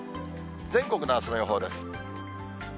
全国のあすの予報です。